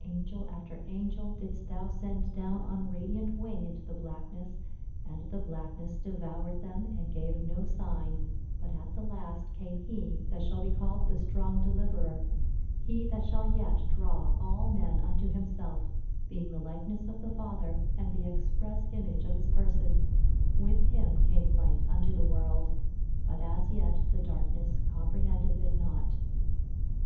Angel after angel didst thou send down on radiant wing into the blackness, and the blackness devoured them and gave no sign, but at the last came He that shall be called the Strong Deliverer ; He that shall yet draw all men unto himself, being the likeness of the Father, and the express image of his person ; with Him came light unto the world, but as yet the darkness comprehend eth it not.